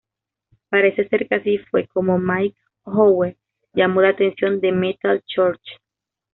Parece ser que así fue como Mike Howe llamo la atención de Metal Church.